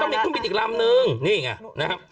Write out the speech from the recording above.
มีเครื่องบินอีกลำนึงนี่ไงนะครับ